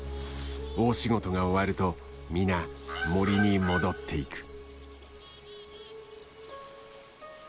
大仕事が終わると皆森に戻っていく。